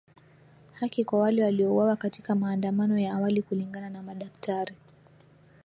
Haki kwa wale waliouawa katika maandamano ya awali kulingana na madaktari